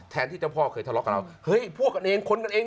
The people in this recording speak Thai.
แทนที่เจ้าพ่อเคยทะเลาะกันแล้วพวกกันเองขนกันเอง